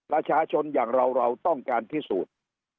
ประชาชนอย่างเราเราต้องการพิสูจน์